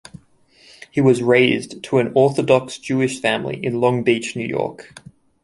He was raised to an Orthodox Jewish family in Long Beach, New York.